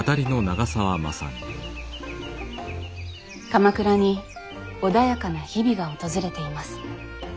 鎌倉に穏やかな日々が訪れています。